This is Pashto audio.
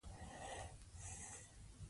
زموږ په ورزشکارانو ویاړ وکړئ.